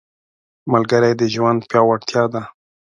ملګری د ژوند پیاوړتیا ده